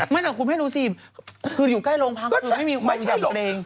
ไม่แต่คุณแม่ดูสิคืออยู่ใกล้โรงพักคือไม่มีความรับเพลง